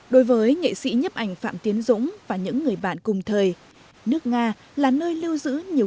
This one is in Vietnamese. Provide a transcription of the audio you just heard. đối với nghệ sĩ nhấp ảnh phạm tiến dũng và những người bạn cùng thời nước nga là nơi lưu giữ nhiều